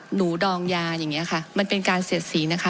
ดองยาอย่างนี้ค่ะมันเป็นการเสียดสีนะคะ